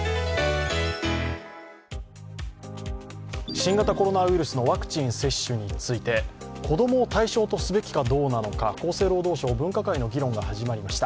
新型コロナウイルスのワクチン接種について、子供を対象とすべきかどうなのか、厚生労働省、分科会の議論が始まりました。